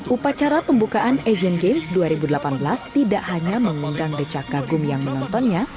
upacara pembukaan asian games dua ribu delapan belas tidak hanya mengundang decak kagum yang menontonnya